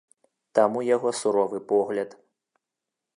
Там у яго суровы погляд.